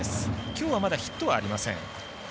きょうはまだヒットありません。